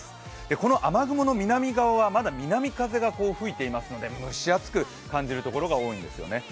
この雨雲の南側はまだ南風が吹いていますので、蒸し暑く感じるところが多いんですよね。